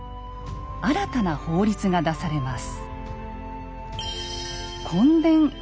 新たな法律が出されます。